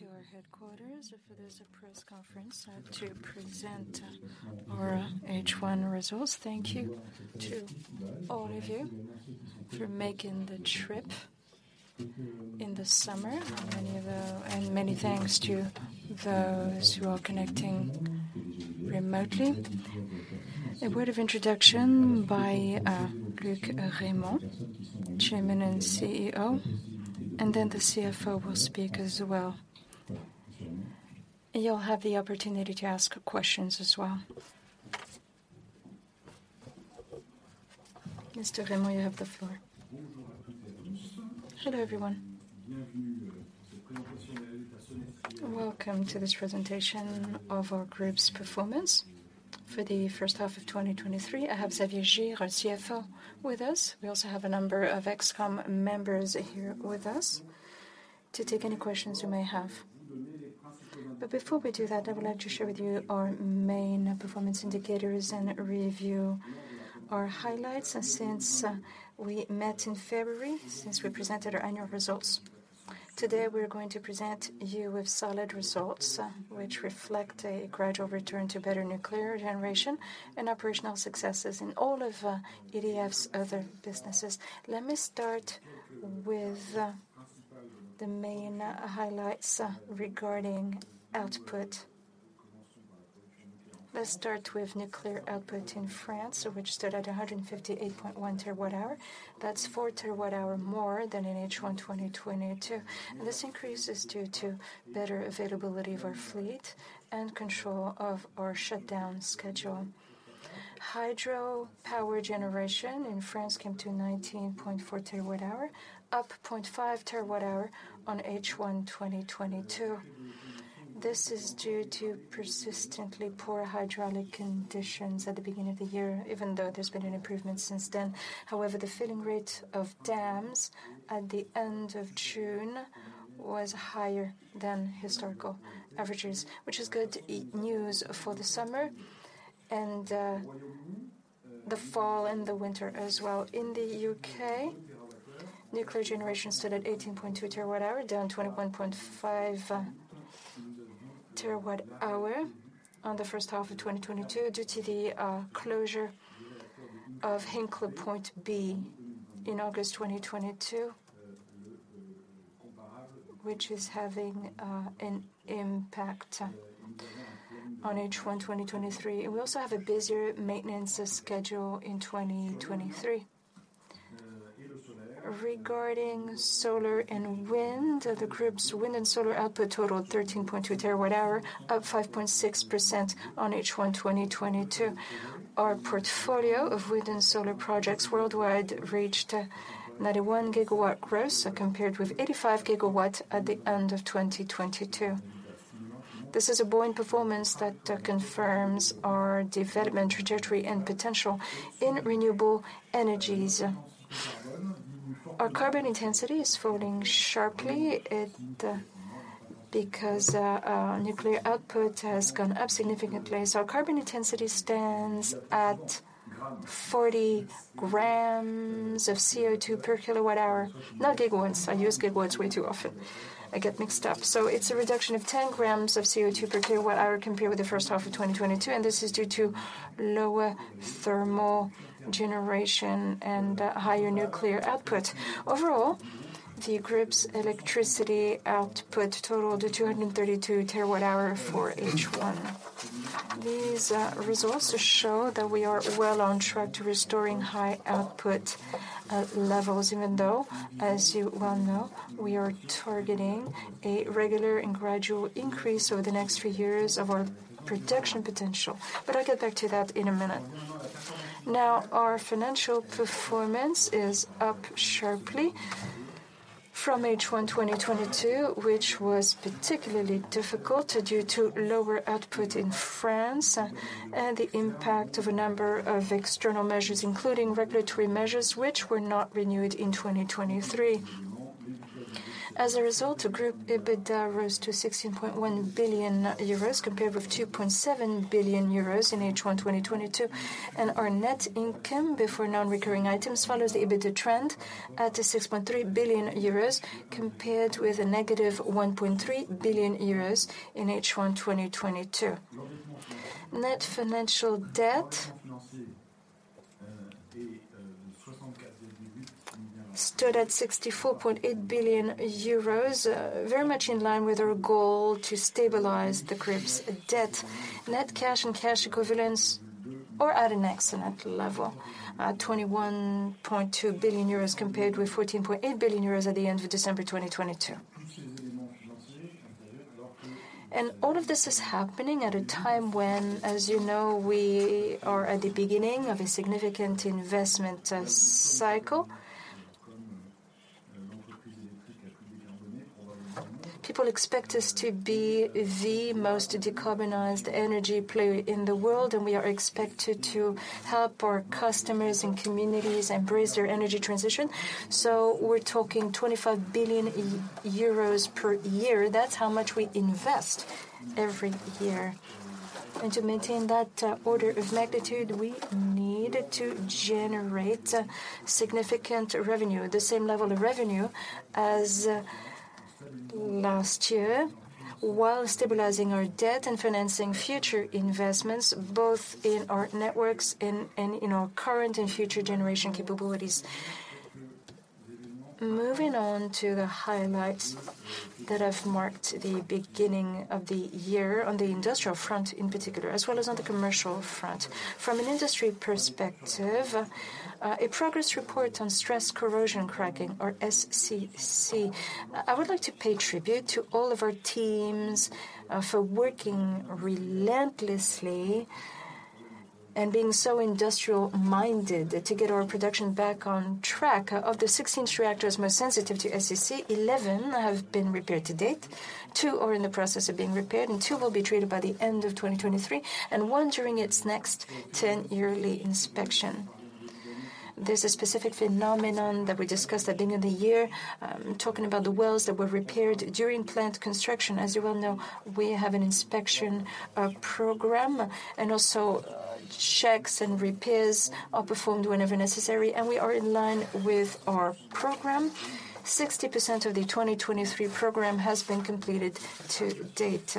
Welcome to our headquarters for this press conference to present our H1 results. Thank you to all of you for making the trip in the summer, and many thanks to those who are connecting remotely. A word of introduction by Luc Rémont, Chairman and CEO. The CFO will speak as well. You'll have the opportunity to ask questions as well. Mr. Rémont, you have the floor. Hello, everyone. Welcome to this presentation of our group's performance for the H1 of 2023. I have Xavier Girre, our CFO, with us. We also have a number of ExCom members here with us to take any questions you may have. Before we do that, I would like to share with you our main performance indicators and review our highlights since we met in February, since we presented our annual results. Today, we're going to present you with solid results, which reflect a gradual return to better nuclear generation and operational successes in all of EDF's other businesses. Let me start with the main highlights regarding output. Let's start with nuclear output in France, which stood at 158.1TWh. That's 4TWh more than in H1 2022, and this increase is due to better availability of our fleet and control of our shutdown schedule. Hydropower generation in France came to 19.4TWh, up 0.5TWh on H1 2022. This is due to persistently poor hydraulic conditions at the beginning of the year, even though there's been an improvement since then. However, the filling rate of dams at the end of June was higher than historical averages, which is good news for the summer and the fall and the winter as well. In the U.K., nuclear generation stood at 18.2TWh, down 21.5TWh on the H1 of 2022 due to the closure of Hinkley Point B in August 2022, which is having an impact on H1 2023. We also have a busier maintenance schedule in 2023. Regarding solar and wind, the group's wind and solar output totaled 13.2TWh, up 5.6% on H1 2022. Our portfolio of wind and solar projects worldwide reached 91 GW gross, compared with 85 GW at the end of 2022. This is a buoyant performance that confirms our development trajectory and potential in renewable energies. Our carbon intensity is falling sharply because our nuclear output has gone up significantly. Our carbon intensity stands at 40 grams of CO2 per KWh, not gigawatts. I use gigawatts way too often. I get mixed up. It's a reduction of 10 grams of CO2 per KWh compared with the H1 of 2022, and this is due to lower thermal generation and higher nuclear output. Overall, the group's electricity output totaled to 232 TWh for H1. These results show that we are well on track to restoring high output levels, even though, as you well know, we are targeting a regular and gradual increase over the next few years of our production potential. I'll get back to that in a minute. Now, our financial performance is up sharply from H1 2022, which was particularly difficult due to lower output in France, and the impact of a number of external measures, including regulatory measures, which were not renewed in 2023. As a result, the group EBITDA rose to 16.1 billion euros, compared with 2.7 billion euros in H1 2022, and our net income before non-recurring items follows the EBITDA trend at 6.3 billion euros, compared with a negative 1.3 billion euros in H1 2022. Net financial debt stood at 64.8 billion euros, very much in line with our goal to stabilize the group's debt. Net cash and cash equivalents are at an excellent level, at 21.2 billion euros, compared with 14.8 billion euros at the end of December 2022. All of this is happening at a time when, as you know, we are at the beginning of a significant investment cycle. People expect us to be the most decarbonized energy player in the world, and we are expected to help our customers and communities embrace their energy transition. We're talking 25 billion euros per year. That's how much we invest every year. To maintain that order of magnitude, we need to generate significant revenue, the same level of revenue as last year, while stabilizing our debt and financing future investments, both in our networks and in our current and future generation capabilities. Moving on to the highlights that have marked the beginning of the year on the industrial front, in particular, as well as on the commercial front. From an industry perspective, a progress report on stress corrosion cracking, or SCC. I would like to pay tribute to all of our teams, for working relentlessly and being so industrial-minded to get our production back on track. Of the 16 reactors most sensitive to SCC, 11 have been repaired to date, two are in the process of being repaired, and two will be treated by the end of 2023, and one during its next ten-yearly inspection. There's a specific phenomenon that we discussed at the beginning of the year, talking about the wells that were repaired during plant construction. As you well know, we have an inspection program, and also checks and repairs are performed whenever necessary, and we are in line with our program. 60% of the 2023 program has been completed to date.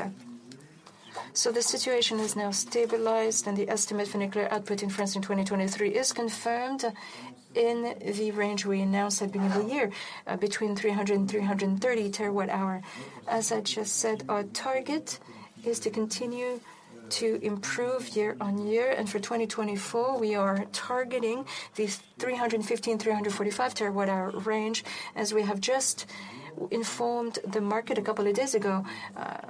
The situation is now stabilized, and the estimate for nuclear output in France in 2023 is confirmed in the range we announced at the beginning of the year, between 300-330TWh. As I just said, our target is to continue to improve year on year, and for 2024, we are targeting the 350-345TWh range. As we have just informed the market a couple of days ago,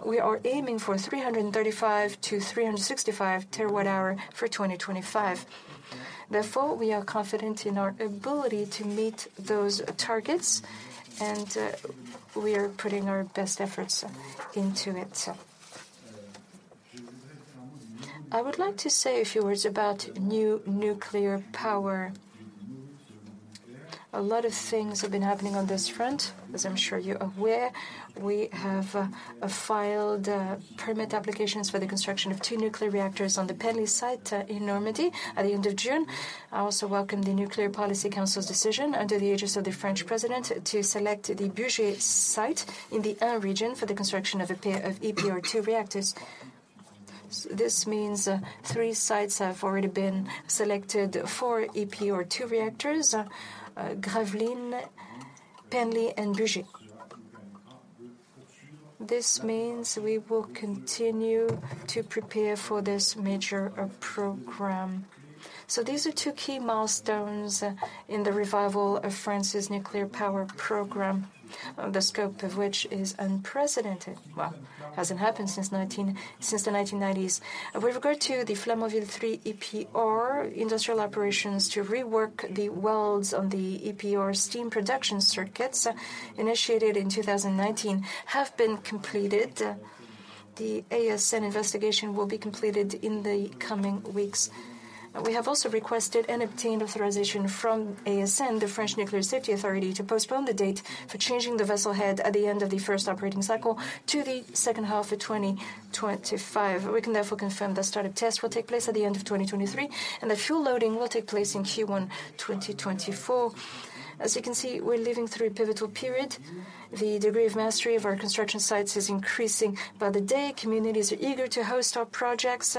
we are aiming for 335-365TWh for 2025. Therefore, we are confident in our ability to meet those targets, and we are putting our best efforts into it. I would like to say a few words about new nuclear power. A lot of things have been happening on this front, as I'm sure you're aware. We have filed permit applications for the construction of two nuclear reactors on the Penly site in Normandy at the end of June. I also welcome the Nuclear Policy Council's decision under the ages of the French president to select the Bugey site in the Ain region for the construction of a pair of EPR2 reactors. This means 3 sites have already been selected for EPR2 reactors, Gravelines, Penly and Bugey. This means we will continue to prepare for this major program. These are 2 key milestones in the revival of France's nuclear power program, the scope of which is unprecedented. Well, hasn't happened since the 1990s. With regard to the Flamanville 3 EPR industrial operations to rework the wells on the EPR steam production circuits, initiated in 2019, have been completed. The ASN investigation will be completed in the coming weeks. We have also requested and obtained authorization from ASN, the French Nuclear Safety Authority, to postpone the date for changing the vessel head at the end of the first operating cycle to the second half of 2025. We can therefore confirm that startup tests will take place at the end of 2023, and that fuel loading will take place in Q1 2024. As you can see, we're living through a pivotal period. The degree of mastery of our construction sites is increasing by the day, communities are eager to host our projects,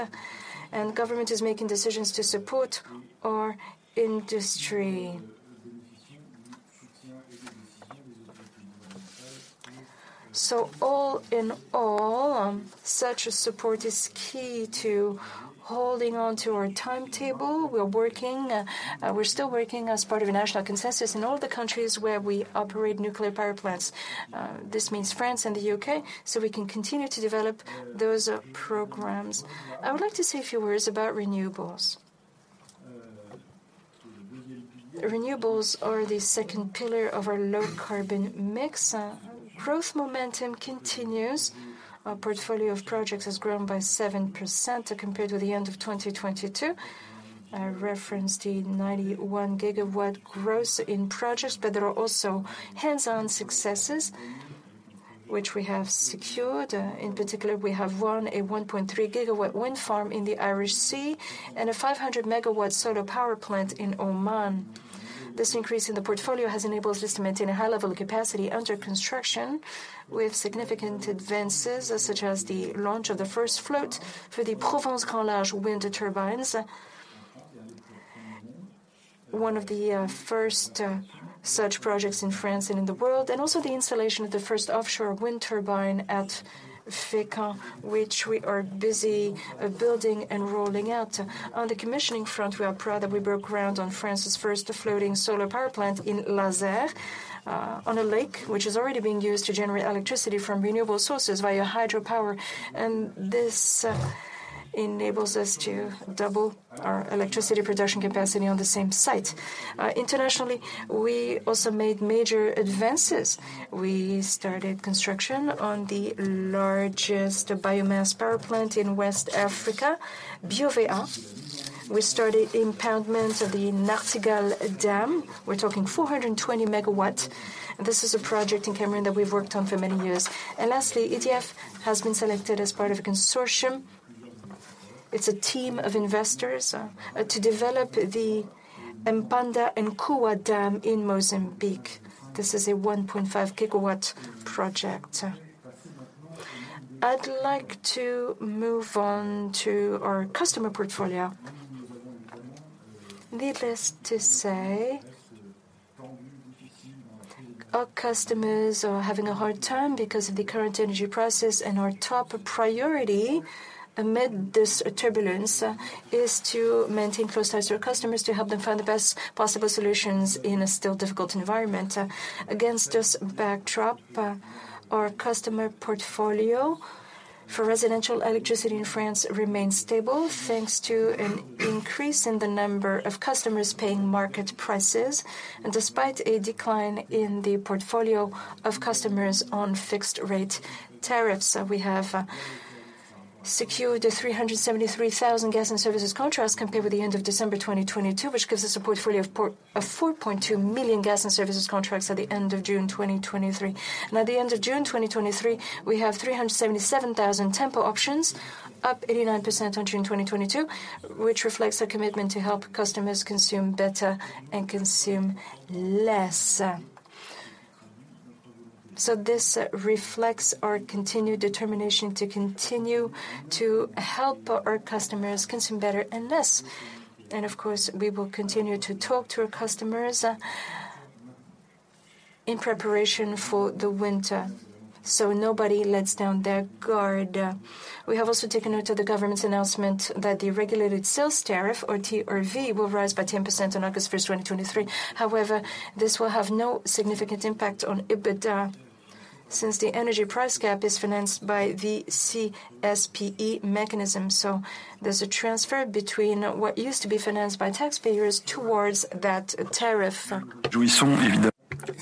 and government is making decisions to support our industry. All in all, such a support is key to holding on to our timetable. We're still working as part of a national consensus in all the countries where we operate nuclear power plants. This means France and the UK, we can continue to develop those programs. I would like to say a few words about renewables. Renewables are the second pillar of our low carbon mix. Growth momentum continues. Our portfolio of projects has grown by 7% compared to the end of 2022. I referenced the 91 GW growth in projects, but there are also hands-on successes which we have secured. In particular, we have won a 1.3 GW wind farm in the Irish Sea and a 500 MW solar power plant in Oman. This increase in the portfolio has enabled us to maintain a high level of capacity under construction, with significant advances, such as the launch of the first float for the Provence Grand Large wind turbines. One of the first such projects in France and in the world, and also the installation of the first offshore wind turbine at Fecamp, which we are busy building and rolling out. On the commissioning front, we are proud that we broke ground on France's first floating solar power plant in Lazer, on a lake, which is already being used to generate electricity from renewable sources via hydropower. This enables us to double our electricity production capacity on the same site. Internationally, we also made major advances. We started construction on the largest biomass power plant in West Africa. Biovea, we started impoundment of the Nachtigal Dam. We're talking 420 megawatt. This is a project in Cameroon that we've worked on for many years. Lastly, EDF has been selected as part of a consortium. It's a team of investors to develop the Mphanda Nkuwa Dam in Mozambique. This is a 1.5 GW project. I'd like to move on to our customer portfolio. Needless to say, our customers are having a hard time because of the current energy prices. Our top priority amid this turbulence is to maintain close ties to our customers, to help them find the best possible solutions in a still difficult environment. Against this backdrop, our customer portfolio for residential electricity in France remains stable, thanks to an increase in the number of customers paying market prices, and despite a decline in the portfolio of customers on fixed-rate tariffs. We have secured 373,000 gas and services contracts compared with the end of December 2022, which gives us a portfolio of 4.2 million gas and services contracts at the end of June 2023. At the end of June 2023, we have 377,000 Tempo options, up 89% on June 2022, which reflects our commitment to help customers consume better and consume less. This reflects our continued determination to continue to help our customers consume better and less. Of course, we will continue to talk to our customers in preparation for the winter, so nobody lets down their guard. We have also taken note of the government's announcement that the regulated sales tariff or TRV, will rise by 10% on 1 August 2023. However, this will have no significant impact on EBITDA, since the energy price cap is financed by the CSPE mechanism. There's a transfer between what used to be financed by taxpayers towards that tariff.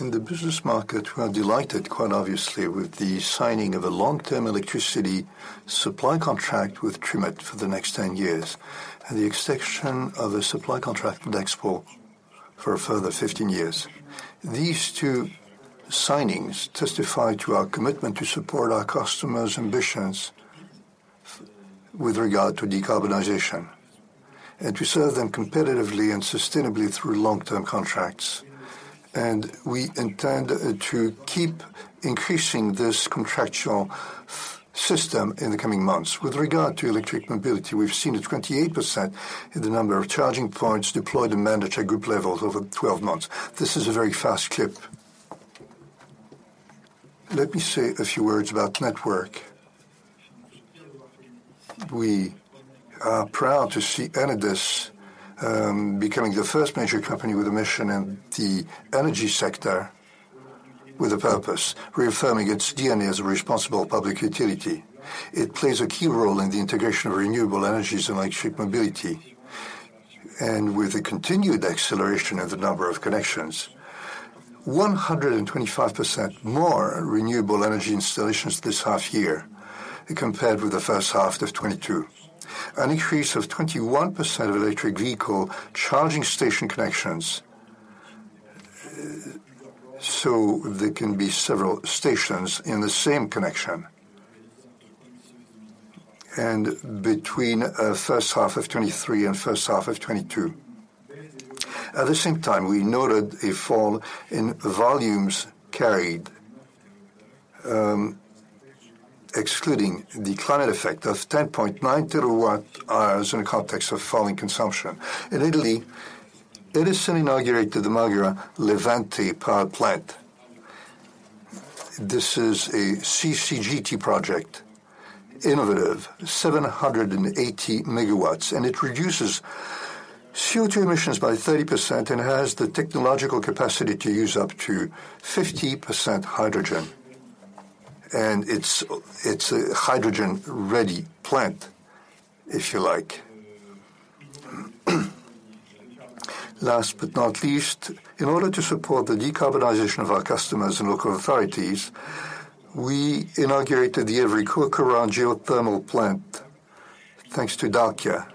In the business market, we are delighted, quite obviously, with the signing of a long-term electricity supply contract with Trimet for the next 10 years, and the extension of a supply contract with Expor for a further 15 years. These two signings testify to our commitment to support our customers' ambitions with regard to decarbonization, and to serve them competitively and sustainably through long-term contracts. We intend to keep increasing this contractual system in the coming months. With regard to electric mobility, we've seen a 28% in the number of charging points deployed in mandatory group levels over 12 months. This is a very fast clip. Let me say a few words about network. We are proud to see Enedis becoming the first major company with a mission in the energy sector, with a purpose, reaffirming its DNA as a responsible public utility. It plays a key role in the integration of renewable energies and electric mobility, and with a continued acceleration of the number of connections. 125% more renewable energy installations this half year, compared with the H1 of 2022. An increase of 21% of electric vehicle charging station connections, so there can be several stations in the same connection, and between H1 of 2023 and H1 of 2022. At the same time, we noted a fall in volumes carried, excluding the climate effect of 10.9TWhs in the context of falling consumption. In Italy, Enel inaugurated the Margheara Levante power plant. This is a CCGT project, innovative, 780 MWs, and it reduces CO2 emissions by 30% and has the technological capacity to use up to 50% hydrogen, and it's a hydrogen-ready plant, if you like. Last but not least, in order to support the decarbonization of our customers and local authorities, we inaugurated the Evry Courcouronnes geothermal plant, thanks to Dalkia.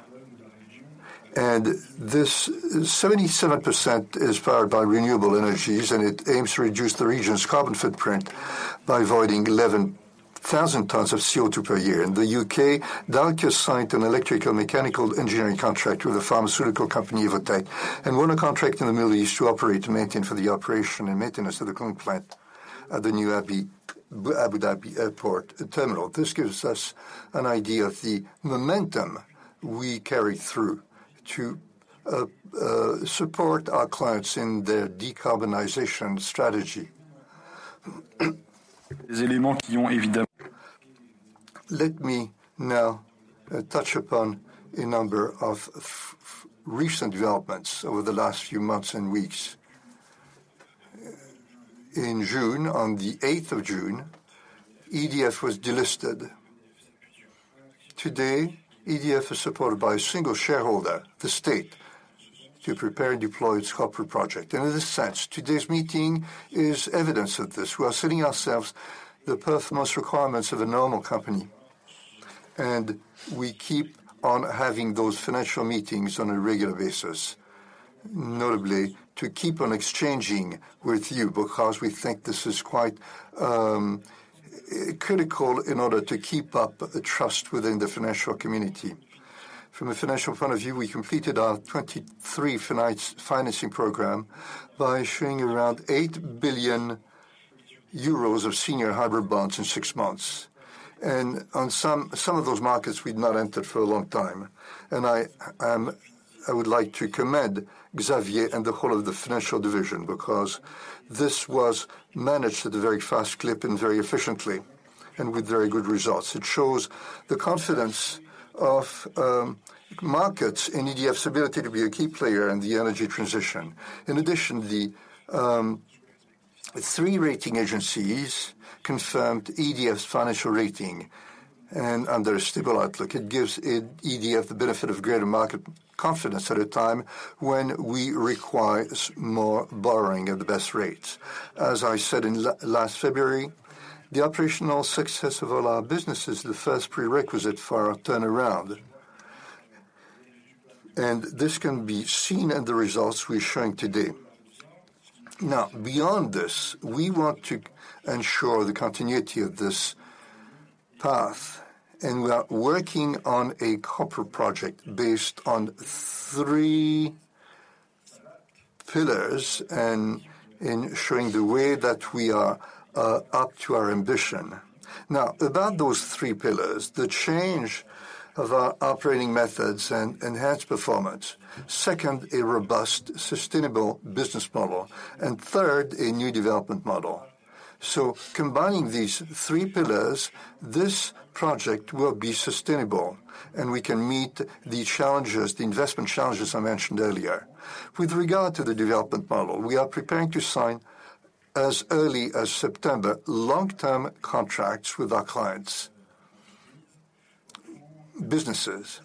This 77% is powered by renewable energies, and it aims to reduce the region's carbon footprint by avoiding 11,000 tons of CO2 per year. In the UK, Dalkia signed an electrical mechanical engineering contract with a pharmaceutical company, Evotec, and won a contract in the Middle East for the operation and maintenance of the cooling plant at the new Abu Dhabi Airport terminal. This gives us an idea of the momentum we carry through to support our clients in their decarbonization strategy. Let me now touch upon a number of recent developments over the last few months and weeks. In June, on the eighth of June, EDF was delisted. Today, EDF is supported by a single shareholder, the state to prepare and deploy its corporate project. In this sense, today's meeting is evidence of this. We are setting ourselves the performance requirements of a normal company, and we keep on having those financial meetings on a regular basis, notably to keep on exchanging with you, because we think this is quite critical in order to keep up the trust within the financial community. From a financial point of view, we completed our 23 financing program by issuing around 8 billion euros of senior hybrid bonds in 6 months. On some of those markets, we'd not entered for a long time. I would like to commend Xavier and the whole of the financial division because this was managed at a very fast clip and very efficiently and with very good results. It shows the confidence of markets in EDF's ability to be a key player in the energy transition. In addition, the 3 rating agencies confirmed EDF's financial rating and under a stable outlook. It gives EDF the benefit of greater market confidence at a time when we require more borrowing at the best rates. As I said in last February, the operational success of all our businesses is the first prerequisite for our turnaround. This can be seen in the results we're showing today. Beyond this, we want to ensure the continuity of this path. We are working on a corporate project based on three pillars and in showing the way that we are up to our ambition. About those three pillars, the change of our operating methods and enhanced performance. Second, a robust, sustainable business model. Third, a new development model. Combining these three pillars, this project will be sustainable, and we can meet the challenges, the investment challenges I mentioned earlier. With regard to the development model, we are preparing to sign, as early as September, long-term contracts with our clients' businesses.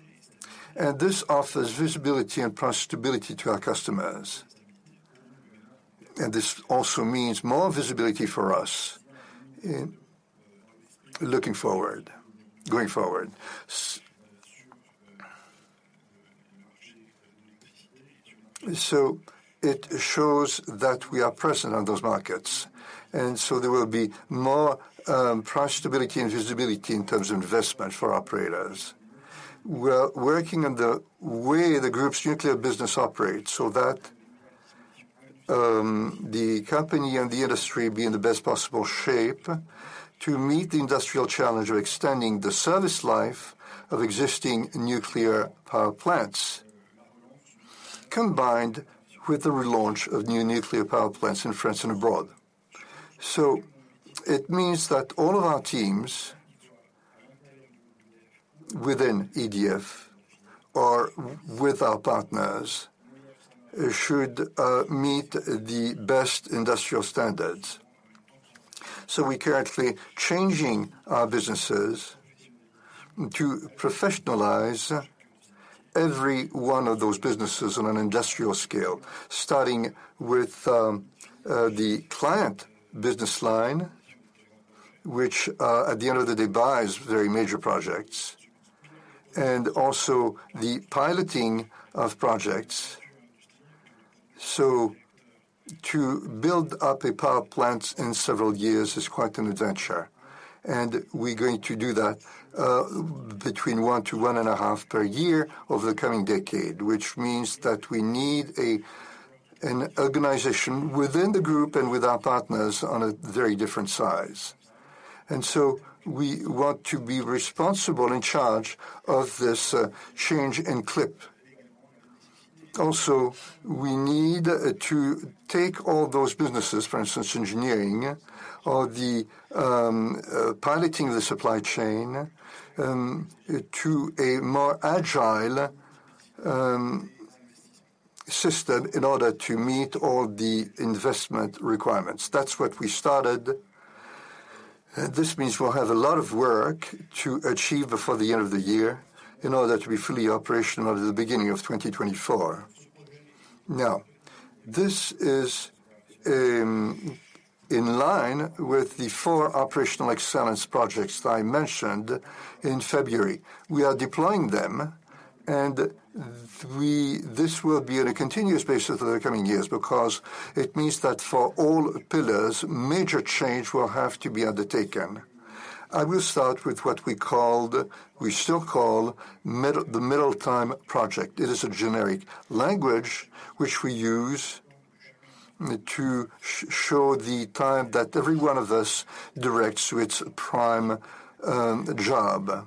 This offers visibility and profitability to our customers. This also means more visibility for us in looking forward, going forward. So it shows that we are present on those markets, and so there will be more profitability and visibility in terms of investment for operators. We are working on the way the group's nuclear business operates so that the company and the industry be in the best possible shape to meet the industrial challenge of extending the service life of existing nuclear power plants, combined with the relaunch of new nuclear power plants in France and abroad. It means that all of our teams within EDF or with our partners, should meet the best industrial standards. We're currently changing our businesses to professionalize every one of those businesses on an industrial scale, starting with the client business line, which at the end of the day, buys very major projects, and also the piloting of projects. To build up a power plant in several years is quite an adventure, and we're going to do that between 1 to 1.5 per year over the coming decade, which means that we need an organization within the group and with our partners on a very different size. We want to be responsible in charge of this change in clip. Also, we need to take all those businesses, for instance, engineering or the piloting the supply chain, to a more agile system in order to meet all the investment requirements. That's what we started. This means we'll have a lot of work to achieve before the end of the year in order to be fully operational at the beginning of 2024. This is in line with the four operational excellence projects that I mentioned in February. We are deploying them. This will be on a continuous basis for the coming years because it means that for all pillars, major change will have to be undertaken. I will start with what we called, we still call, the Mideltime. It is a generic language which we use to show the time that every one of us directs to its prime job.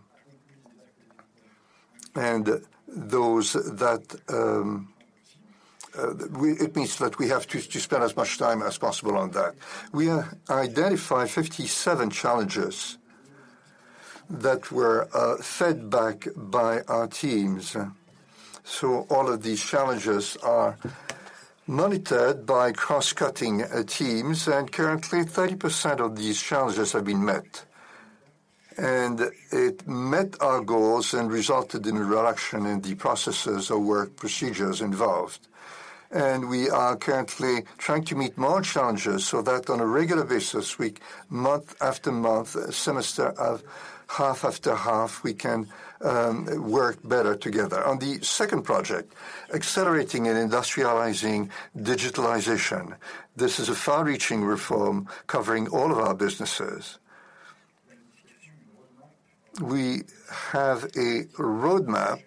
Those that, it means that we have to spend as much time as possible on that. We identified 57 challenges that were fed back by our teams. All of these challenges are monitored by cross-cutting teams, and currently, 30% of these challenges have been met. It met our goals and resulted in a reduction in the processes or work procedures involved. We are currently trying to meet more challenges so that on a regular basis, we, month after month, semester of half-after-half, we can work better together. On the second project, accelerating and industrializing digitalization. This is a far-reaching reform covering all of our businesses. We have a roadmap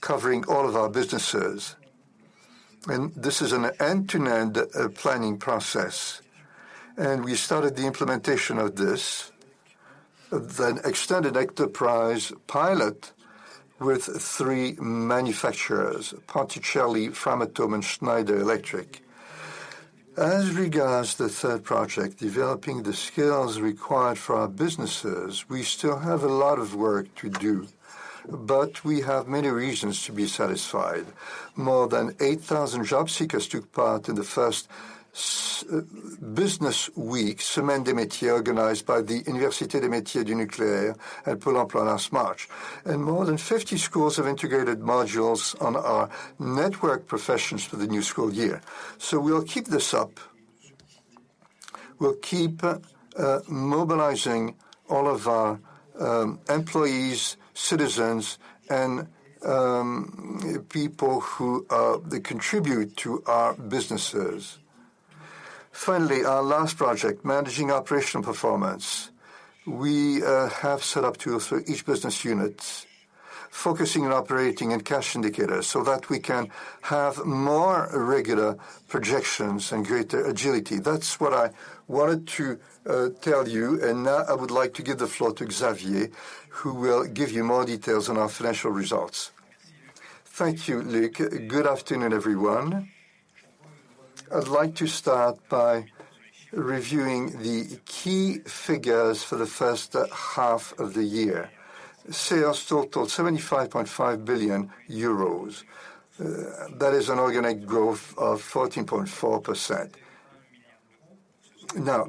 covering all of our businesses, and this is an end-to-end planning process. We started the implementation of this, then extended enterprise pilot with three manufacturers, particularly Framatome and Schneider Electric. As regards the third project, developing the skills required for our businesses, we still have a lot of work to do, but we have many reasons to be satisfied. More than 8,000 job seekers took part in the first business week, Semaine des métiers, organized by the Université des Métiers du Nucléaire at Puy-en-Velay last March, and more than 50 schools have integrated modules on our network professions for the new school year. We'll keep this up. We'll keep mobilizing all of our employees, citizens, and people who they contribute to our businesses. Our last project, managing operational performance. We have set up tools for each business unit, focusing on operating and cash indicators so that we can have more regular projections and greater agility. That's what I wanted to tell you, and now I would like to give the floor to Xavier, who will give you more details on our financial results. Thank you, Luc. Good afternoon, everyone. I'd like to start by reviewing the key figures for the H1 of the year. Sales totaled 75.5 billion euros. That is an organic growth of 14.4%.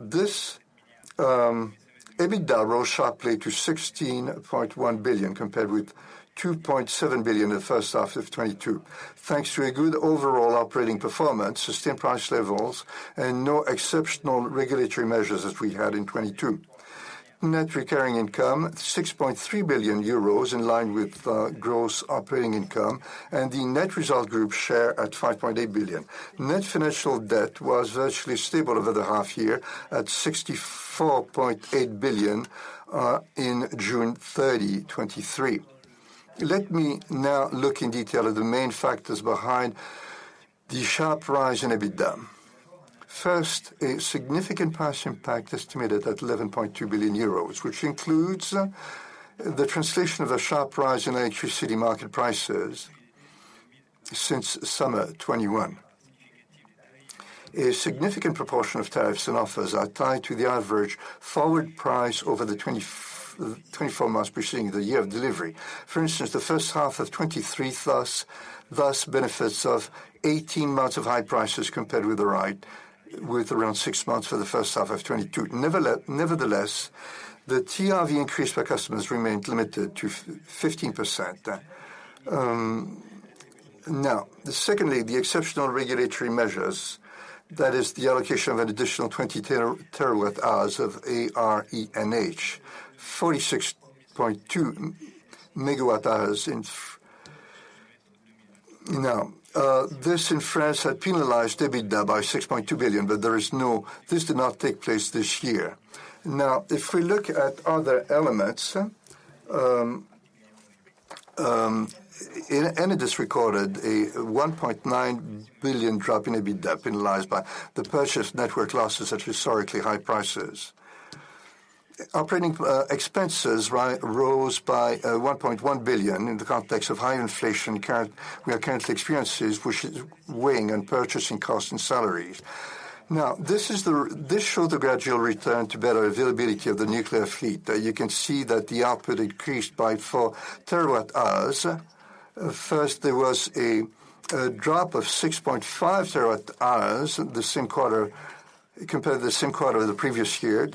This EBITDA rose sharply to 16.1 billion, compared with 2.7 billion in the H1 of 2022, thanks to a good overall operating performance, sustained price levels, and no exceptional regulatory measures as we had in 2022. Net recurring income, 6.3 billion euros, in line with gross operating income, and the net result group share at 5.8 billion. Net financial debt was virtually stable over the half year at 64.8 billion in June 30, 2023. Let me now look in detail at the main factors behind the sharp rise in EBITDA. First, a significant price impact estimated at 11.2 billion euros, which includes the translation of a sharp rise in electricity market prices since summer 2021. A significant proportion of tariffs and offers are tied to the average forward price over the 24 months preceding the year of delivery. For instance, the H1 of 2023 thus benefits of 18 months of high prices compared with the ride, with around 6 months for the H1 of 2022. Nevertheless, the TRV increase for customers remained limited to 15%. Now, secondly, the exceptional regulatory measures, that is the allocation of an additional 20TWhs of ARENH, 46.2 megawatt-hours in. Now, this in France had penalized EBITDA by 6.2 billion, there is no. This did not take place this year. Now, if we look at other elements, Enedis recorded a 1.9 billion drop in EBITDA, penalized by the purchase network losses at historically high prices. Operating expenses rose by 1.1 billion in the context of high inflation we are currently experiencing, which is weighing on purchasing costs and salaries. Now, this show the gradual return to better availability of the nuclear fleet. You can see that the output increased by 4TWhs. First, there was a drop of 6.5TWhs compared to the same quarter of the previous year,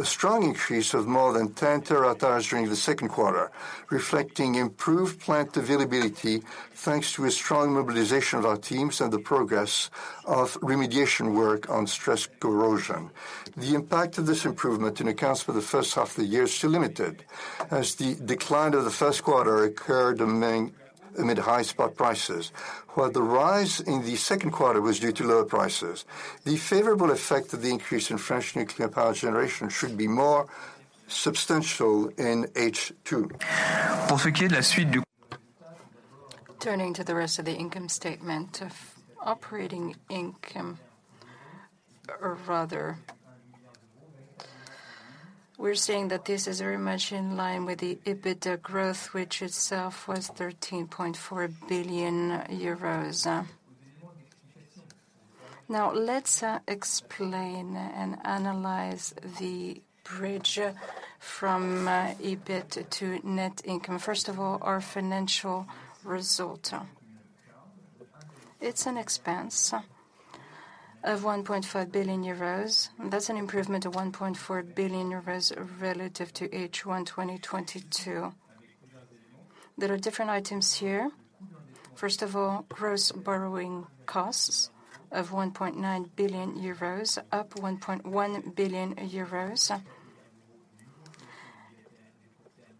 a strong increase of more than 10TWhs during the 2Q, reflecting improved plant availability, thanks to a strong mobilization of our teams and the progress of remediation work on stress corrosion. The impact of this improvement in accounts for the H1 of the year is still limited, as the decline of the 1Q occurred amid high spot prices, while the rise in the 2Q was due to lower prices. The favorable effect of the increase in French nuclear power generation should be more substantial in H2. Turning to the rest of the income statement of operating income, or rather, we're seeing that this is very much in line with the EBITDA growth, which itself was 13.4 billion euros. Let's explain and analyze the bridge from EBIT to net income. First of all, our financial result. It's an expense of 1.5 billion euros, that's an improvement of 1.4 billion euros relative to H1 2022. There are different items here. First of all, gross borrowing costs of 1.9 billion euros, up 1.1 billion euros,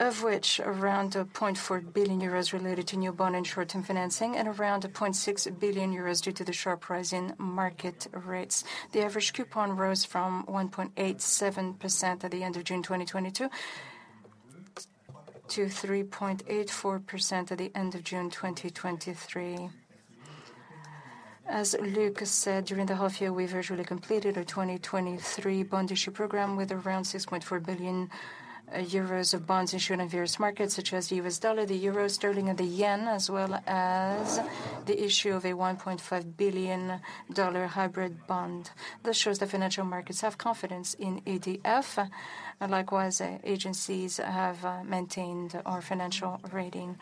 of which around 0.4 billion euros related to new bond and short-term financing, and around 0.6 billion euros due to the sharp rise in market rates. The average coupon rose from 1.87% at the end of June 2022, to 3.84% at the end of June 2023. As Luc said, during the half year, we virtually completed our 2023 bond issue program, with around 6.4 billion euros of bonds issued in various markets, such as the US dollar, the euro, sterling, and the yen, as well as the issue of a $1.5 billion hybrid bond. This shows that financial markets have confidence in EDF, and likewise, agencies have maintained our financial rating.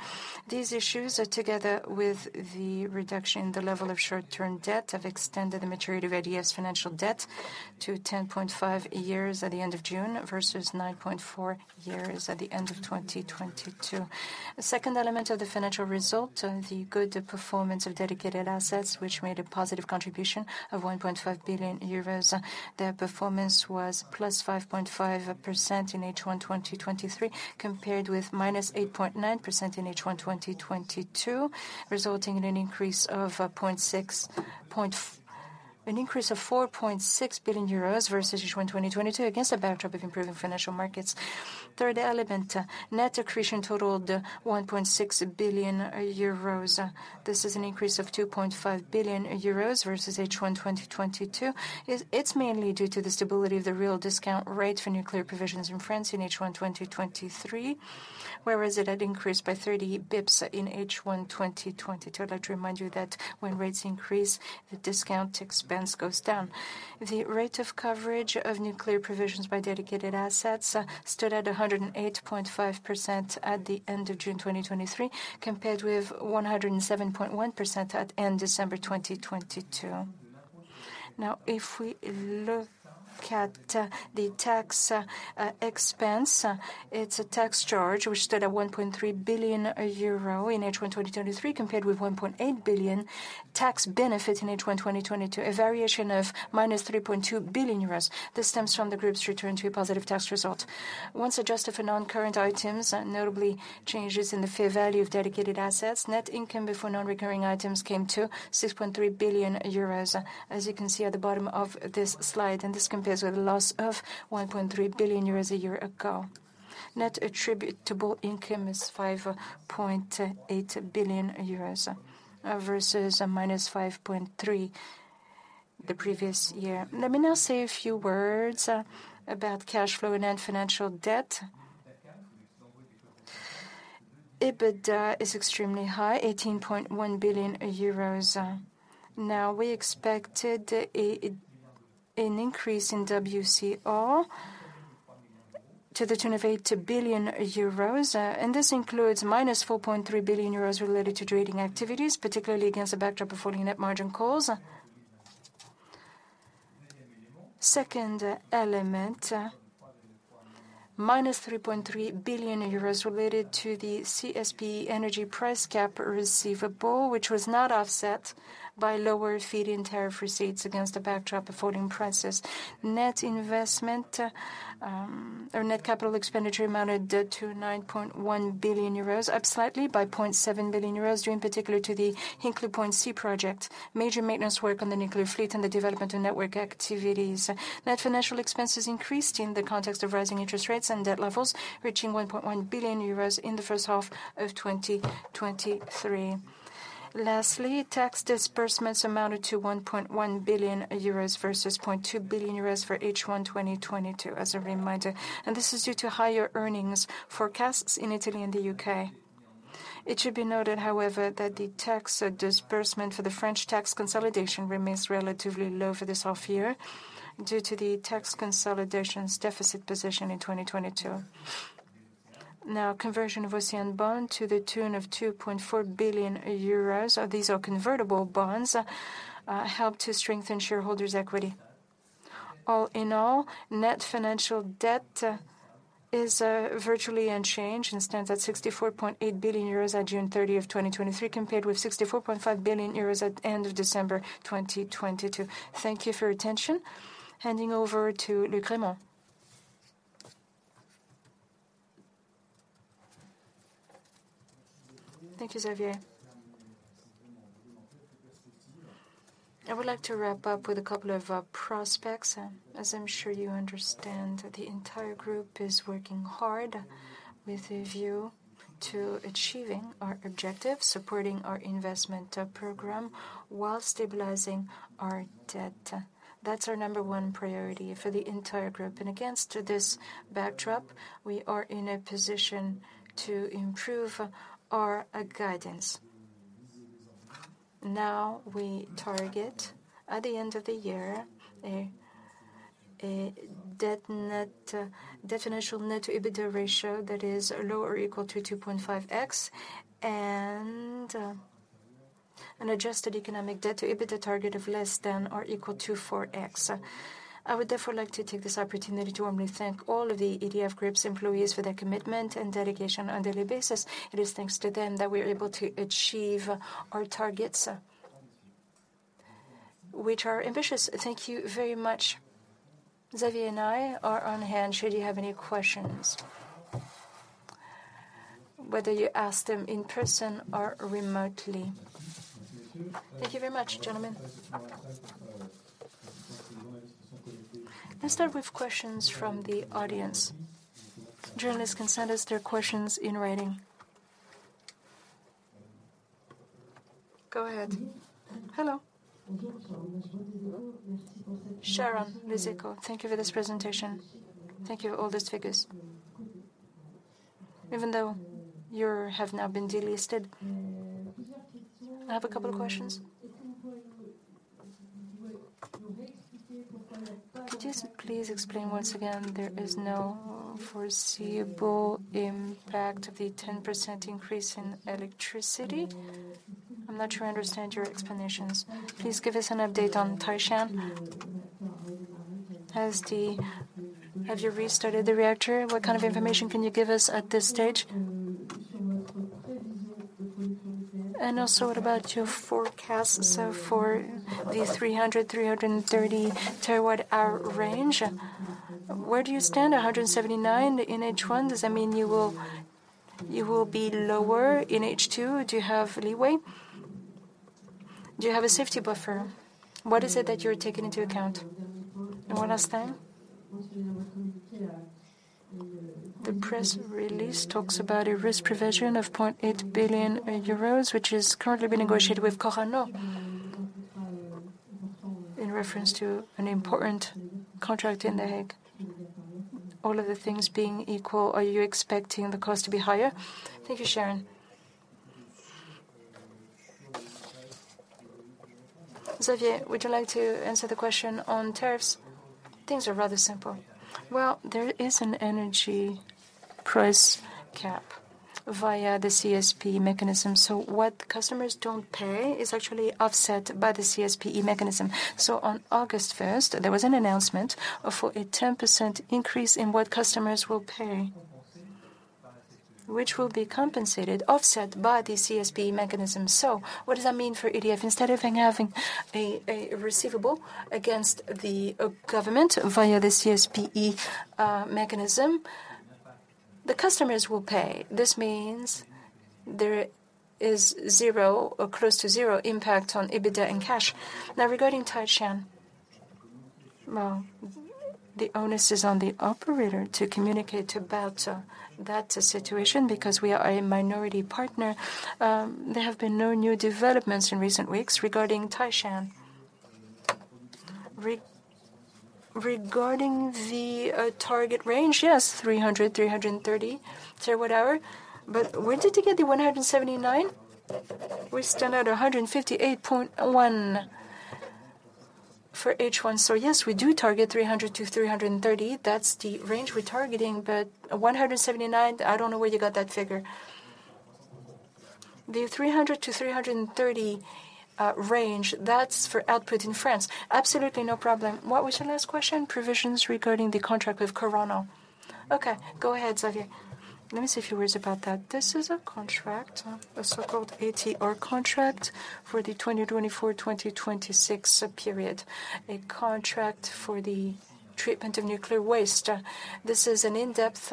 These issues are together with the reduction in the level of short-term debt, have extended the maturity of EDF's financial debt to 10.5 years at the end of June, versus 9.4 years at the end of 2022. The second element of the financial result, the good performance of dedicated assets, which made a positive contribution of 1.5 billion euros. Their performance was +5.5% in H1 2023, compared with -8.9% in H1 2022, resulting in an increase of 4.6 billion euros versus H1 2022, against a backdrop of improving financial markets. Third element, net accretion totaled 1.6 billion euros. This is an increase of 2.5 billion euros versus H1 2022. It's mainly due to the stability of the real discount rate for nuclear provisions in France in H1 2023, whereas it had increased by 30 bips in H1 2022. I'd like to remind you that when rates increase, the discount expense goes down. The rate of coverage of nuclear provisions by dedicated assets stood at 108.5% at the end of June 2023, compared with 107.1% at end December 2022. If we look at the tax expense, it's a tax charge, which stood at 1.3 billion euro in H1 2023, compared with 1.8 billion tax benefit in H1 2022, a variation of minus 3.2 billion euros. This stems from the group's return to a positive tax result. Once adjusted for non-current items, notably changes in the fair value of dedicated assets, net income before non-recurring items came to 6.3 billion euros, as you can see at the bottom of this slide. This compares with a loss of 1.3 billion euros a year ago. Net attributable income is 5.8 billion euros versus minus 5.3 billion the previous year. Let me now say a few words about cash flow and net financial debt. EBITDA is extremely high, 18.1 billion euros. We expected an increase in WCR to the tune of 8 billion euros, and this includes -4.3 billion euros related to trading activities, particularly against the backdrop of falling net margin calls. Second element, minus 3.3 billion euros related to the CSPE energy price cap receivable, which was not offset by lower feed-in tariff receipts against the backdrop of falling prices. Net investment, or net capital expenditure amounted to 9.1 billion euros, up slightly by 0.7 billion euros, due in particular to the Hinkley Point C project, major maintenance work on the nuclear fleet, and the development of network activities. Net financial expenses increased in the context of rising interest rates and debt levels, reaching 1.1 billion euros in the H1 of 2023. Lastly, tax disbursements amounted to 1.1 billion euros versus 0.2 billion euros for H1 2022, as a reminder, and this is due to higher earnings forecasts in Italy and the UK. It should be noted, however, that the tax disbursement for the French tax consolidation remains relatively low for this half year, due to the tax consolidation's deficit position in 2022. Now, conversion of OCEANE bond to the tune of 2.4 billion euros, these are convertible bonds, help to strengthen shareholders' equity. All in all, net financial debt is virtually unchanged and stands at 64.8 billion euros at June 30, 2023, compared with 64.5 billion euros at the end of December 2022. Thank you for your attention. Handing over to Luc Rémont. Thank you, Xavier. I would like to wrap up with a couple of prospects. As I'm sure you understand, the entire group is working hard with a view to achieving our objectives, supporting our investment program, while stabilizing our debt. That's our number one priority for the entire group, and against this backdrop, we are in a position to improve our guidance. Now, we target, at the end of the year. A debt net, definitional net-to-EBITDA ratio that is lower or equal to 2.5x, and an adjusted economic debt-to-EBITDA target of less than or equal to 4x. I would therefore like to take this opportunity to warmly thank all of the EDF Group's employees for their commitment and dedication on a daily basis. It is thanks to them that we are able to achieve our targets, which are ambitious. Thank you very much. Xavier and I are on hand should you have any questions, whether you ask them in person or remotely. Thank you very much, gentlemen. Let's start with questions from the audience. Journalists can send us their questions in writing. Go ahead. Hello. Sharon, VIZCO. Thank you for this presentation. Thank you for all these figures. Even though you have now been delisted, I have a couple of questions. Could you please explain once again, there is no foreseeable impact of the 10% increase in electricity? I'm not sure I understand your explanations. Please give us an update on Taishan. Have you restarted the reactor? What kind of information can you give us at this stage? What about your forecast for the 300-330TWh range, where do you stand? 179 in H1, does that mean you will be lower in H2? Do you have leeway? Do you have a safety buffer? What is it that you're taking into account? One last time, the press release talks about a risk provision of 0.8 billion euros, which is currently being negotiated with Orano in reference to an important contract in The Hague. All other things being equal, are you expecting the cost to be higher? Thank you, Sharon. Xavier, would you like to answer the question on tariffs? Things are rather simple. Well, there is an energy price cap via the CSPE mechanism, what customers don't pay is actually offset by the CSPE mechanism. On August first, there was an announcement for a 10% increase in what customers will pay, which will be compensated, offset by the CSPE mechanism. What does that mean for EDF? Instead of having a receivable against the government via the CSPE mechanism, the customers will pay. This means there is zero or close to zero impact on EBITDA and cash. Now, regarding Taishan, well, the onus is on the operator to communicate about that situation because we are a minority partner. There have been no new developments in recent weeks regarding Taishan. Regarding the target range, yes, 300, 330TWh.. Where did you get the 179? We stand at 158.1 for H1. Yes, we do target 300-330. That's the range we're targeting, but 179, I don't know where you got that figure. The 300-330 range, that's for output in France. Absolutely, no problem. What was your last question? Provisions regarding the contract with Orano. Okay, go ahead, Xavier. Let me say a few words about that. This is a contract, a so-called ATR contract, for the 2024-2026 period, a contract for the treatment of nuclear waste. This is an in-depth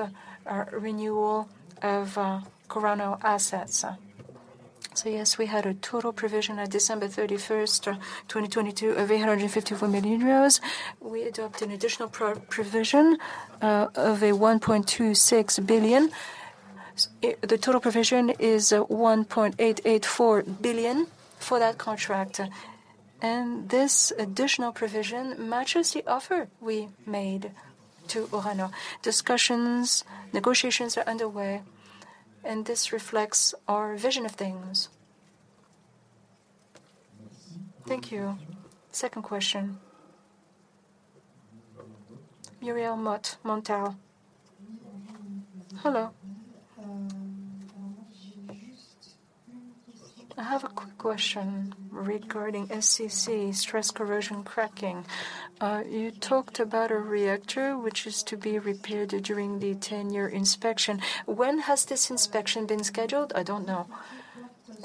renewal of Orano assets. Yes, we had a total provision on 31 December 2022 of 854 million euros. We adopted an additional provision of 1.26 billion. The total provision is 1.884 billion for that contract, and this additional provision matches the offer we made to Orano. Discussions, negotiations are underway, and this reflects our vision of things. Thank you. Second question. Muriel Boselli, Montel. Hello. I have a quick question regarding SCC, stress corrosion cracking. You talked about a reactor which is to be repaired during the ten-yearly inspection. When has this inspection been scheduled? I don't know.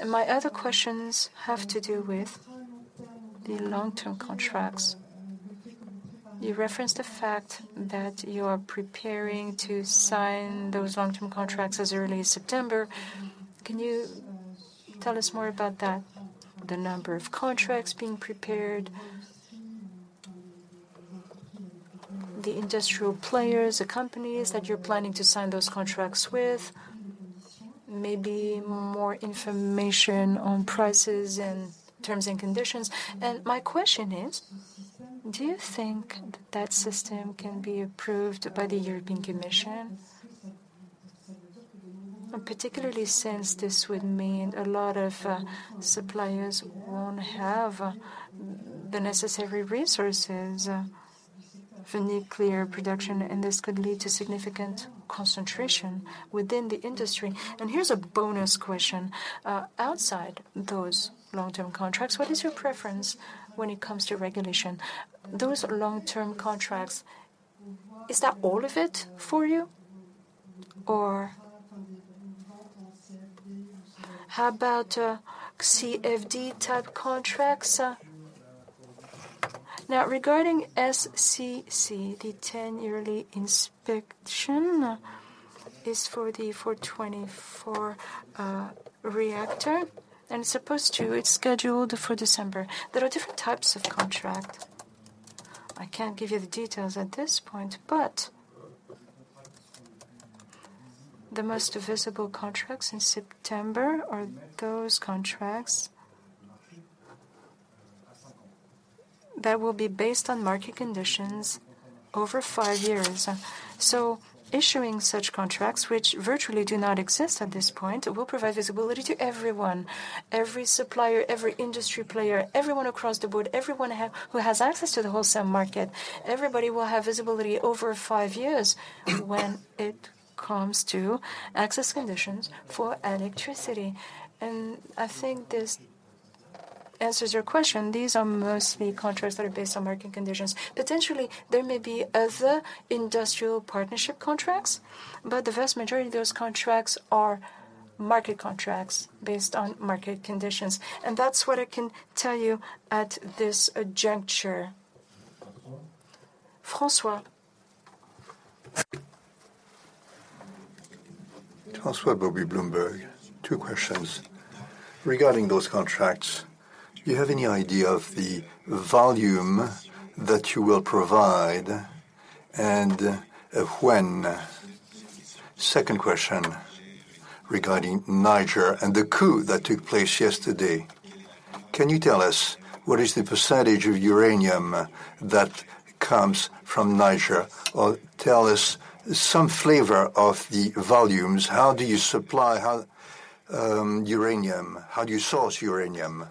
My other questions have to do with the long-term contracts. You referenced the fact that you are preparing to sign those long-term contracts as early as September. Can you tell us more about that? The number of contracts being prepared, the industrial players, the companies that you're planning to sign those contracts with, maybe more information on prices and terms and conditions. My question is: do you think that system can be approved by the European Commission? And particularly since this would mean a lot of suppliers won't have the necessary resources for nuclear production, and this could lead to significant concentration within the industry. Here's a bonus question. Outside those long-term contracts, what is your preference when it comes to regulation? Those long-term contracts, is that all of it for you, or how about CFD type contracts? Regarding SCC, the ten-yearly inspection is for the four twenty-four reactor, and it's supposed to, it's scheduled for December. There are different types of contract. I can't give you the details at this point. The most visible contracts in September are those contracts that will be based on market conditions over five years. Issuing such contracts, which virtually do not exist at this point, will provide visibility to everyone, every supplier, every industry player, everyone across the board, everyone who has access to the wholesale market. Everybody will have visibility over five years when it comes to access conditions for electricity. I think this answers your question. These are mostly contracts that are based on market conditions. Potentially, there may be other industrial partnership contracts. The vast majority of those contracts are market contracts based on market conditions. That's what I can tell you at this juncture. François? François de Beaupuy, Bloomberg. 2 questions. Regarding those contracts, do you have any idea of the volume that you will provide, and when? Second question regarding Niger and the coup that took place yesterday. Can you tell us what is the percentage of uranium that comes from Niger? Or tell us some flavor of the volumes. How do you source uranium?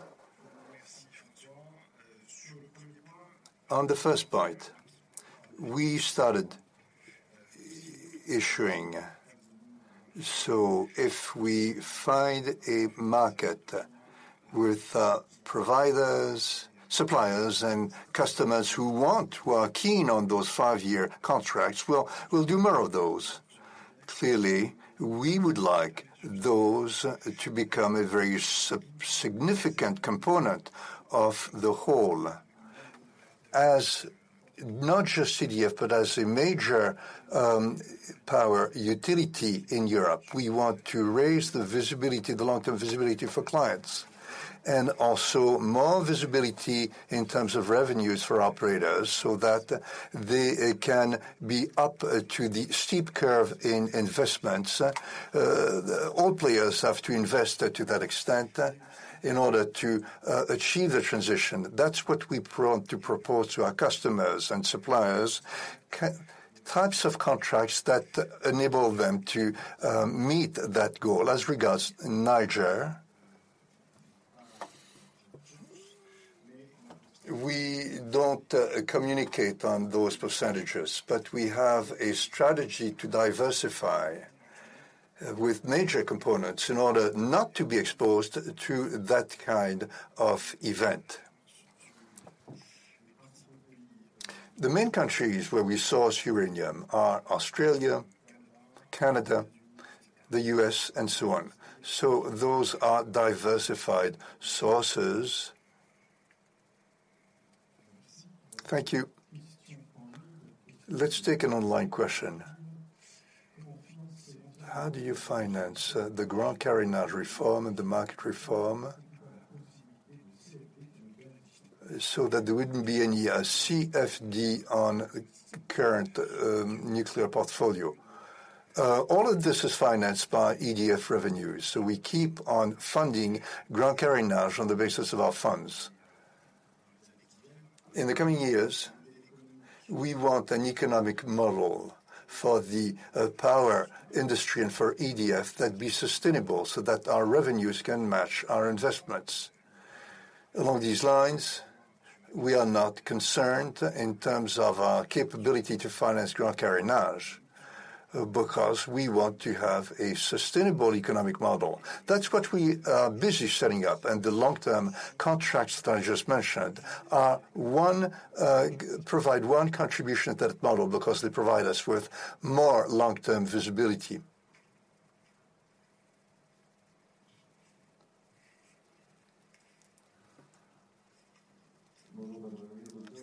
On the first part, we started issuing. If we find a market with providers, suppliers, and customers who want, who are keen on those 5-year contracts, we'll do more of those. Clearly, we would like those to become a very significant component of the whole. As not just EDF, but as a major power utility in Europe, we want to raise the visibility, the long-term visibility for clients, and also more visibility in terms of revenues for operators so that they can be up to the steep curve in investments. All players have to invest to that extent in order to achieve the transition. That's what we want to propose to our customers and suppliers. Types of contracts that enable them to meet that goal. As regards Niger, we don't communicate on those percentages, but we have a strategy to diversify with major components in order not to be exposed to that kind of event. The main countries where we source uranium are Australia, Canada, the U.S., and so on. Those are diversified sources. Thank you. Let's take an online question. How do you finance the Grand Carénage reform and the market reform, so that there wouldn't be any CFD on current nuclear portfolio? All of this is financed by EDF revenues, so we keep on funding Grand Carénage on the basis of our funds. In the coming years, we want an economic model for the power industry and for EDF that be sustainable, so that our revenues can match our investments. Along these lines, we are not concerned in terms of our capability to finance Grand Carénage because we want to have a sustainable economic model. That's what we are busy setting up, and the long-term contracts that I just mentioned are one, provide one contribution to that model because they provide us with more long-term visibility.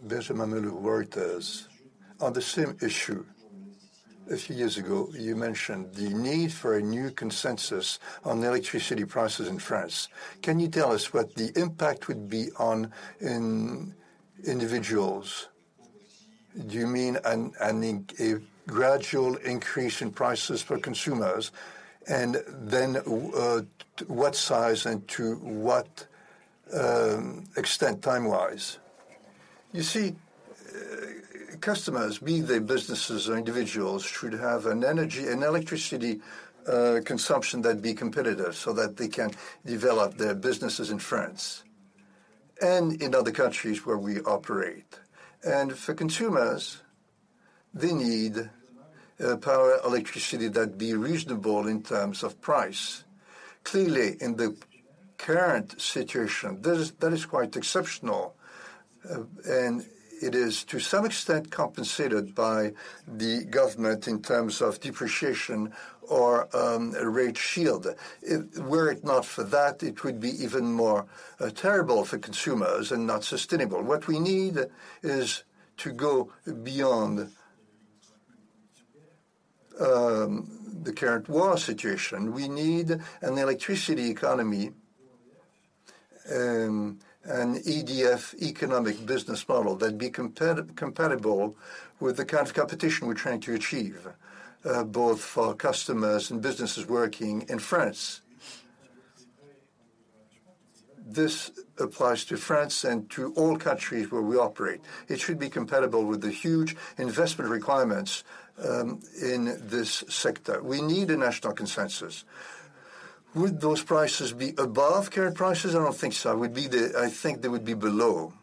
Benjamin Lu, Reuters. On the same issue, a few years ago, you mentioned the need for a new consensus on the electricity prices in France. Can you tell us what the impact would be on individuals? Do you mean a gradual increase in prices for consumers? To what size and to what extent time-wise? Customers, be they businesses or individuals, should have an energy, an electricity consumption that be competitive so that they can develop their businesses in France and in other countries where we operate. For consumers, they need power, electricity that be reasonable in terms of price. Clearly, in the current situation, this, that is quite exceptional, and it is to some extent compensated by the government in terms of depreciation or a rate shield. Were it not for that, it would be even more terrible for consumers and not sustainable. What we need is to go beyond the current war situation. We need an electricity economy, an EDF economic business model that be compatible with the kind of competition we're trying to achieve, both for customers and businesses working in France. This applies to France and to all countries where we operate. It should be compatible with the huge investment requirements in this sector. We need a national consensus. Would those prices be above current prices? I don't think so. I think they would be below.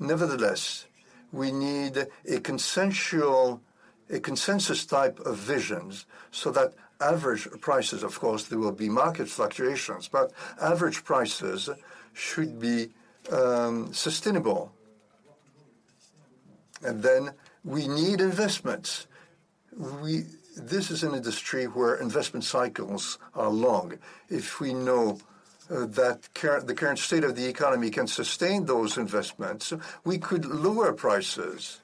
We need a consensus type of visions so that average prices, of course, there will be market fluctuations, but average prices should be sustainable. We need investments. This is an industry where investment cycles are long. If we know that the current state of the economy can sustain those investments, we could lower prices,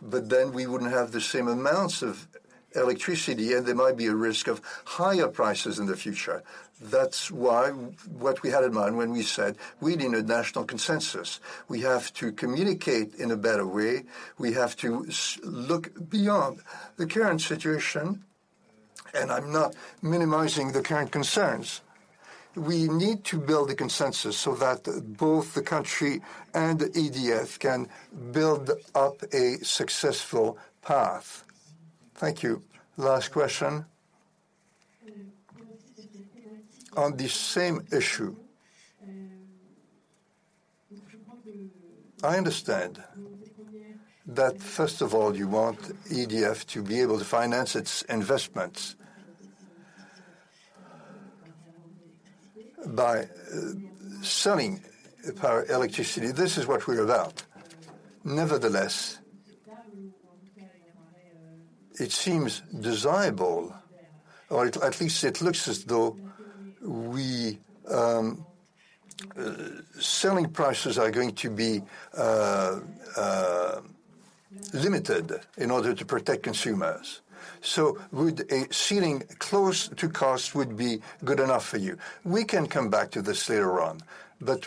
but then we wouldn't have the same amounts of electricity, and there might be a risk of higher prices in the future. That's why what we had in mind when we said we need a national consensus. We have to communicate in a better way. We have to look beyond the current situation. I'm not minimizing the current concerns. We need to build a consensus so that both the country and EDF can build up a successful path. Thank you. Last question. On the same issue, I understand that, first of all, you want EDF to be able to finance its investments by selling power electricity. This is what we allow. It seems desirable, or at least it looks as though selling prices are going to be limited in order to protect consumers. Would a ceiling close to cost be good enough for you? We can come back to this later on.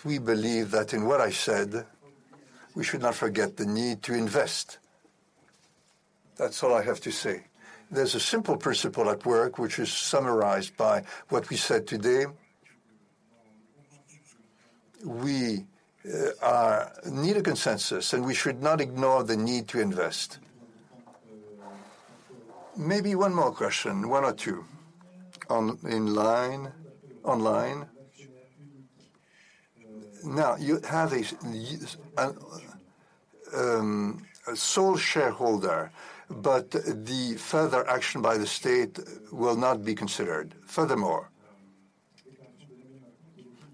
We believe that in what I said, we should not forget the need to invest. That's all I have to say. There's a simple principle at work, which is summarized by what we said today. We need a consensus. We should not ignore the need to invest. Maybe one more question, one or two, online. You have a sole shareholder. The further action by the state will not be considered.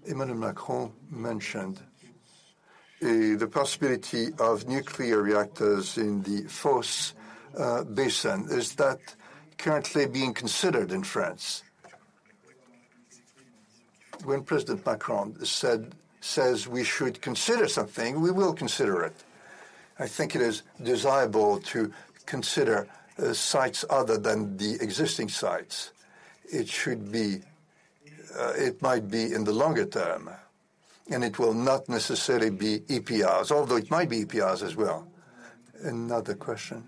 Emmanuel Macron mentioned the possibility of nuclear reactors in the Fos basin. Is that currently being considered in France? When President Macron said, says we should consider something, we will consider it. I think it is desirable to consider sites other than the existing sites. It might be in the longer term, and it will not necessarily be EPRs, although it might be EPRs as well. Another question: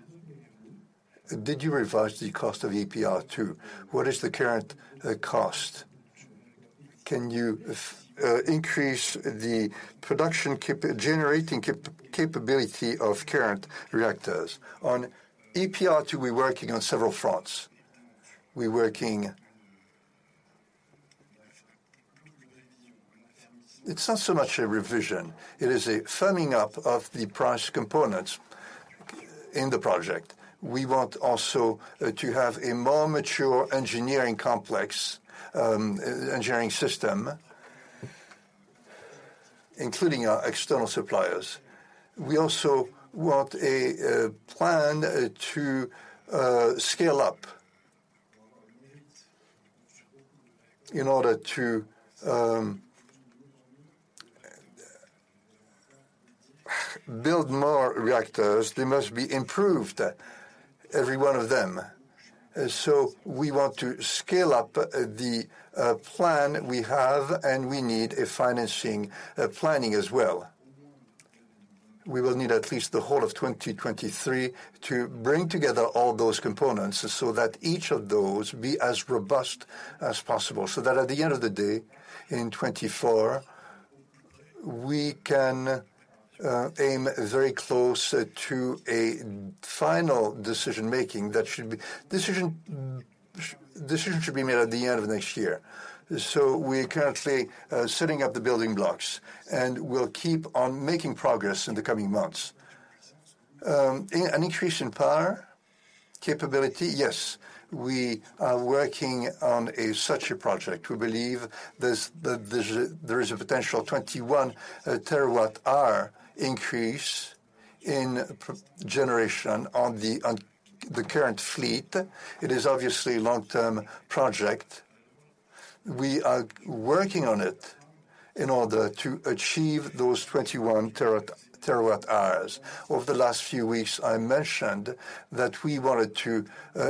Did you revise the cost of EPR2? What is the current cost? Can you increase the capability of current reactors? On EPR2, we're working on several fronts. It's not so much a revision, it is a firming up of the price components in the project. We want also to have a more mature engineering complex, engineering system, including our external suppliers. We also want a plan to scale up. In order to build more reactors, they must be improved, every one of them. We want to scale up the plan we have, and we need a financing planning as well. We will need at least the whole of 2023 to bring together all those components, so that each of those be as robust as possible, so that at the end of the day, in 2024, we can aim very close to a final decision-making. That decision should be made at the end of next year. We're currently setting up the building blocks, and we'll keep on making progress in the coming months. An increase in power capability, yes. We are working on a such a project. We believe there's, that there's a, there is a potential 21TWh increase in generation on the current fleet. It is obviously long-term project. We are working on it in order to achieve those 21TWhs. Over the last few weeks, I mentioned that we wanted to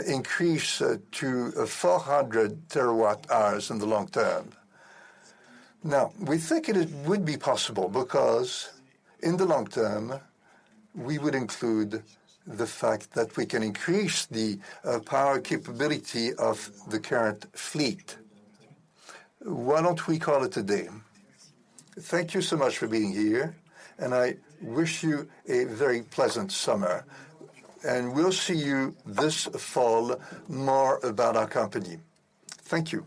increase to 400TWhs in the long term. We think it would be possible because in the long term, we would include the fact that we can increase the power capability of the current fleet. Why don't we call it a day? Thank you so much for being here, and I wish you a very pleasant summer, and we'll see you this fall more about our company. Thank you.